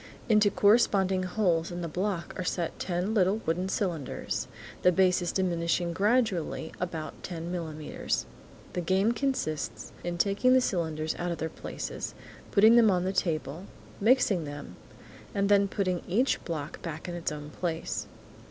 Into corresponding holes in the block are set ten little wooden cylinders, the bases diminishing gradually about ten millimetres. The game consists in taking the cylinders out of their places, putting them on the table, mixing them, and then putting each one back in its own place.